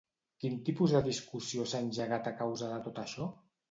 Quin tipus de discussió s'ha engegat a causa de tot això?